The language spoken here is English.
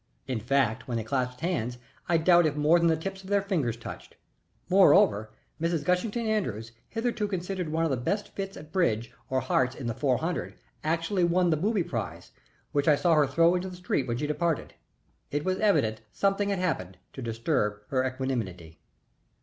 In fact, when they clasped hands I doubt if more than the tips of their fingers touched. Moreover, Mrs. Gushington Andrews, hitherto considered one of the best fists at bridge or hearts in the 400, actually won the booby prize, which I saw her throw into the street when she departed. It was evident something had happened to disturb her equanimity.